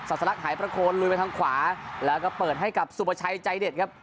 สลักหายประโคนลุยไปทางขวาแล้วก็เปิดให้กับสุประชัยใจเด็ดครับ